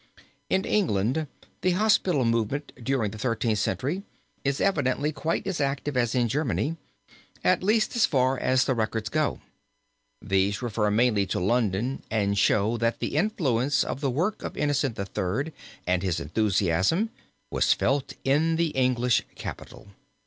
In England the hospital movement during the Thirteenth Century is evidently quite as active as in Germany, at least as far as the records go. These refer mainly to London and show that the influence of the work of Innocent III. and his enthusiasm was felt in the English capital.